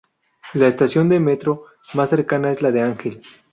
La estación de metro más cercana es la de Angel.